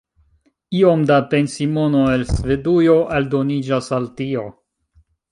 Iom da pensimono el Svedujo aldoniĝas al tio.